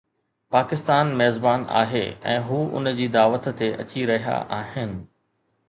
پاڪستان ميزبان آهي ۽ هو ان جي دعوت تي اچي رهيا آهن.